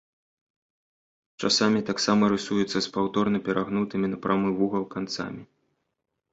Часамі таксама рысуецца з паўторна перагнутымі на прамы вугал канцамі.